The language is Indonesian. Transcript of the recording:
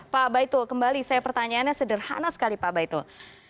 pak baitul kembali saya pertanyaannya sederhana sekali pak baitul